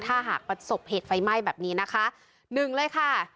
ถ้าหากประสบเหตุไฟไหม้แบบนี้นะคะ